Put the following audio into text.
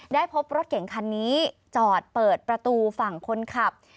พบรถเก่งคันนี้จอดเปิดประตูฝั่งคนขับ